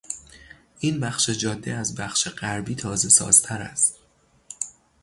این بخش جاده از بخش غربی تازه سازتر است.